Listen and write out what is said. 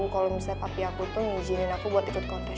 kalau misalnya tapi aku tuh ngizinin aku buat ikut kontes